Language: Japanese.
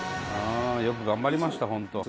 よく頑張りましたほんと。